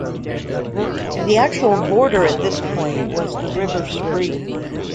The actual border at this point was the river Spree.